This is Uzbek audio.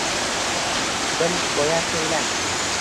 Bir hikoyat so’yla